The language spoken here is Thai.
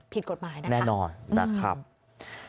ผิดกฎหมายนะคะนะครับแน่นอน